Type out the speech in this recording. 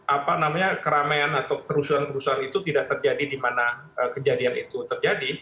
apa namanya keramaian atau kerusuhan kerusuhan itu tidak terjadi di mana kejadian itu terjadi